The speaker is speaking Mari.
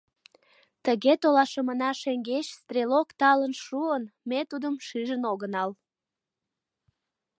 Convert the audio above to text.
Тыге толашымына шеҥгеч стрелок талын шуын, ме тудым шижын огынал.